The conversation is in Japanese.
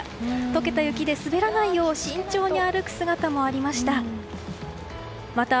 溶けた雪で滑らないよう慎重に歩く姿もありました。